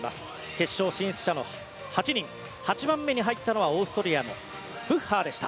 決勝進出者の８人８番目に入ったのはオーストリアのブッハーでした。